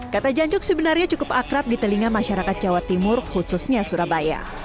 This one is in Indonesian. kata janjuk sebenarnya cukup akrab di telinga masyarakat jawa timur khususnya surabaya